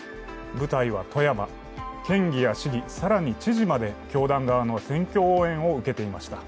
舞台は富山、県議や市議、更に知事まで教団側の選挙応援を受けていました。